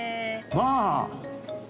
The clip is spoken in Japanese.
まあ。